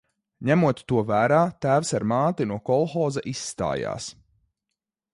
Ņemot to vērā, tēvs ar māti no kolhoza izstājās.